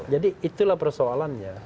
jadi itulah persoalannya